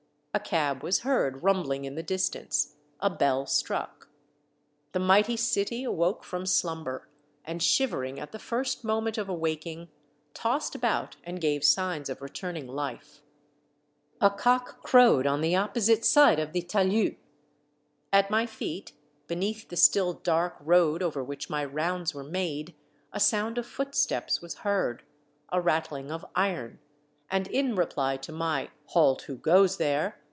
A cab was heard rumbling in the distance, a bell struck. The mighty city awoke from slumber, and shivering at the first moment of awaking, tossed about and gave signs of returning life, A cock crowed on the opposite side of the talus. At my My Kepi. 157 feet, beneath the still dark road over which my rounds were made, a sound of footsteps was heard, a rattling of iron, and in reply to my " Halt ! who goes there